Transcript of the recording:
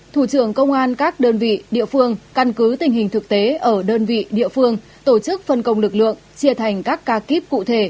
thủ trưởng công an các đơn vị địa phương căn cứ tình hình thực tế ở đơn vị địa phương tổ chức phân công lực lượng chia thành các ca kíp cụ thể